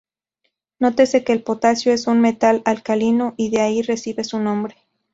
Nótese que el potasio es un metal alcalino, y de ahí recibe su nombre.